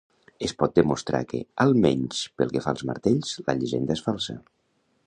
Es pot demostrar que, almenys pel que fa als martells, la llegenda és falsa.